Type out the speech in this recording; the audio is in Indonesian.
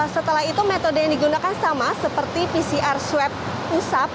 setelah itu metode yang digunakan sama seperti pcr swab usap